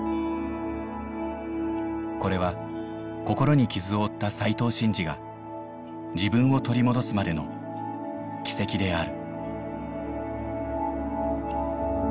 これは心に傷を負った斉藤慎二が自分を取り戻すまでの軌跡である。